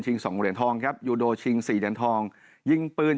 สองเหรียญทองครับยูโดชิงสี่เหรียญทองยิงปืน